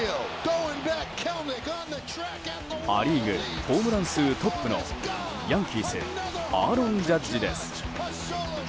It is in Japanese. ア・リーグホームラン数トップのヤンキースアーロン・ジャッジです。